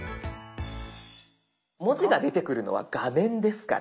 文字が出てくるのは画面ですから。